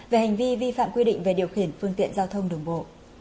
về hành vi vi phạm quy định về điều khiển phương tiện giao thông đường bộ